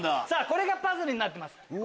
これがパズルになってます